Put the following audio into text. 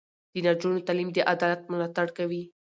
د نجونو تعلیم د عدالت ملاتړ کوي.